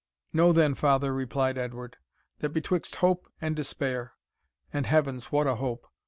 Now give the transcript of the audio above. "Know, then, father," replied Edward, "that betwixt hope and despair and, heavens! what a hope!